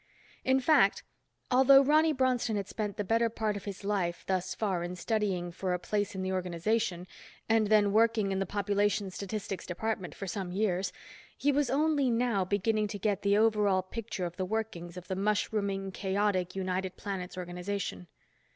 In fact, although Ronny Bronston had spent the better part of his life, thus far, in studying for a place in the organization, and then working in the Population Statistics Department for some years, he was only now beginning to get the over all picture of the workings of the mushrooming, chaotic United Planets organization.